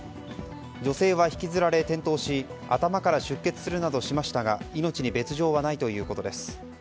女性は引きずられ転倒し頭から出血するなどしましたが命に別条はないということです。